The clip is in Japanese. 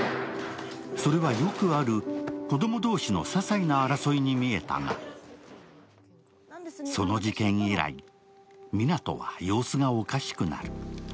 それはよくある子供同士のささいな争いに見えたがその事件以来、湊は様子がおかしくなる。